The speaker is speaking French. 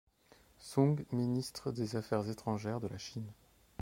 Soong, ministre des affaires étrangères de la Chine.